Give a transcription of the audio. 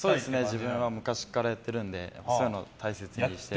自分は昔からやってるのでそういうのは大切にして。